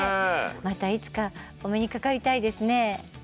またいつかお目にかかりたいですね。